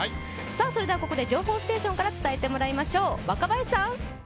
それでは、ここで情報ステーションから伝えてもらいましょう。